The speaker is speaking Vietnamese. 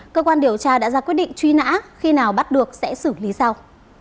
cơ quan điều tra đã ra quyết định truy nã khi nào bắt được sẽ xử lý sau